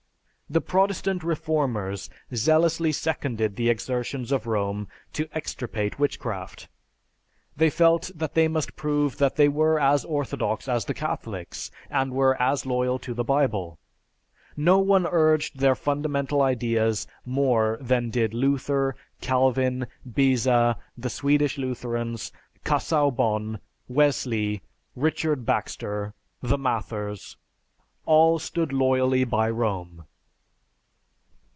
"The Protestant Reformers zealously seconded the exertions of Rome to extirpate witchcraft; they felt that they must prove that they were as orthodox as the Catholics, and were as loyal to the Bible. No one urged their fundamental ideas more than did Luther, Calvin, Beza, the Swedish Lutherans, Casaubon, Wesley, Richard Baxter, the Mathers, all stood loyally by Rome."